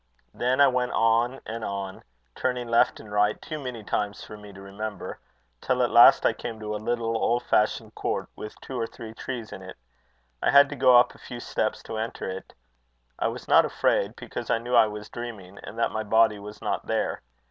Then I went on and on, turning left and right too many times for me to remember, till at last I came to a little, old fashioned court, with two or three trees in it. I had to go up a few steps to enter it. I was not afraid, because I knew I was dreaming, and that my body was not there.